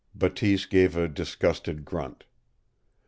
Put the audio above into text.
Bateese gave a disgusted grunt.